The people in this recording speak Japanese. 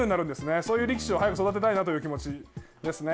そういう力士を早く育てたいなという気持ちですね。